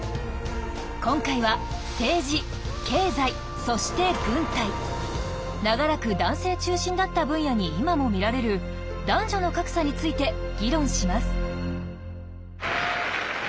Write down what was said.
今回は政治経済そして軍隊長らく男性中心だった分野に今も見られる男女の格差について議論します。